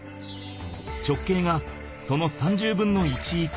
直径がその３０分の１以下。